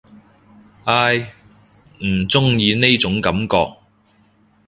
唉，唔中意呢種感覺